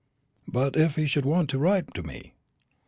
"But if he should want to write to me?"